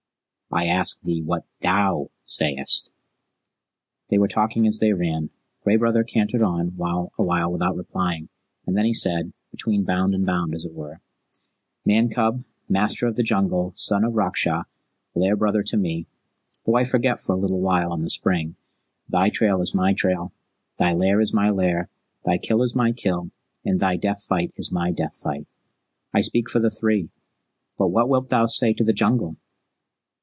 "I ask thee what THOU sayest?" They were talking as they ran. Gray Brother cantered on a while without replying, and then he said, between bound and bound as it were, "Man cub Master of the Jungle Son of Raksha, Lair brother to me though I forget for a little while in the spring, thy trail is my trail, thy lair is my lair, thy kill is my kill, and thy death fight is my death fight. I speak for the Three. But what wilt thou say to the Jungle?"